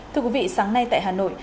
thưa quý vị sáng nay tại hà nội